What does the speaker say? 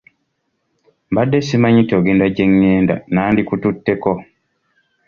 Mbadde simanyi nti ogenda gye ngenda nandikututteko.